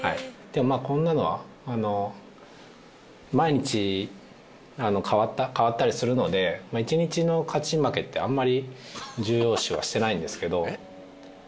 でもまあ、こんなのは毎日変わったりするので、１日の勝ち負けってあんまり重要視はしてないんですけど。